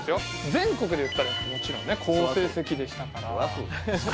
全国でいったらもちろん好成績でしたからそりゃそうですよ